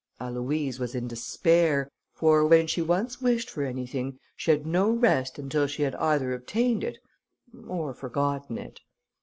Aloïse was in despair, for when she once wished for anything, she had no rest until she had either obtained it, or forgotten it.